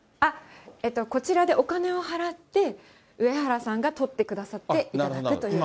こちらでお金を払って、うえはらさんが取ってくださって頂くという。